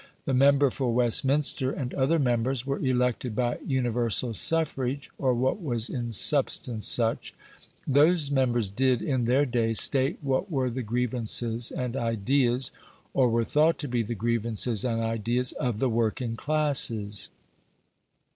The member for Westminster, and other members, were elected by universal suffrage (or what was in substance such); those members did, in their day, state what were the grievances and ideas or were thought to be the grievances and ideas of the working classes.